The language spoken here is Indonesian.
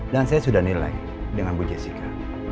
dan saya sudah nilai dengan bu jessica